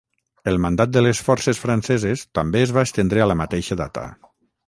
El mandat de les forces franceses també es va estendre a la mateixa data.